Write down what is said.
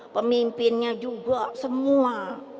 pemimpinnya juga semua